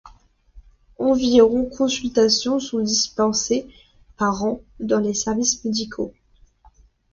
Environ consultations sont dispensées par an dans les services médicaux.